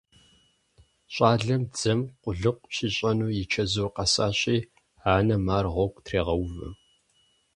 ЩӀалэм дзэм къулыкъу щищӀэну и чэзур къэсащи, анэм ар гъуэгу трегъэувэ.